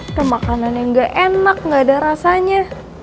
ada makanan yang enggak enak enggak ada rasanya